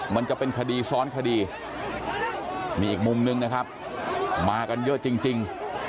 มันจะเป็นคดีซ้อนคดีมีอีกมุมนึงนะครับมากันเยอะจริง